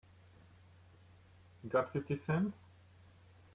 You got fifty cents?